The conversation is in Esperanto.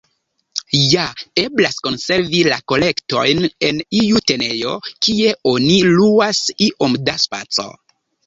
Ja eblas konservi la kolektojn en iu tenejo kie oni luas iom da spaco.